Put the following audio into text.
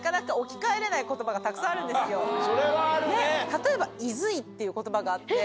例えば。っていう言葉があって。